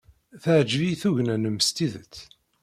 Teɛjeb-iyi tugna-nnem s tidet.